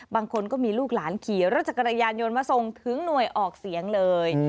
บางคนก็มีลูกหลานขี่รถจักรยานยนต์มาส่งถึงหน่วยออกเสียงเลย